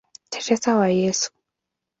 Teresa wa Yesu".